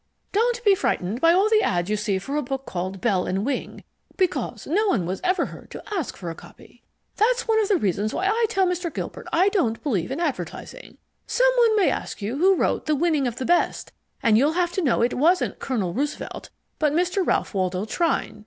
Don't be frightened by all the ads you see for a book called "Bell and Wing," because no one was ever heard to ask for a copy. That's one of the reasons why I tell Mr. Gilbert I don't believe in advertising. Someone may ask you who wrote The Winning of the Best, and you'll have to know it wasn't Colonel Roosevelt but Mr. Ralph Waldo Trine.